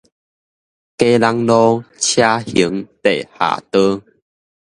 基隆路車行地下道